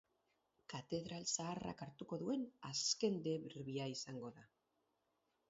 Katedral zaharrak hartuko duen azken derbia izango da.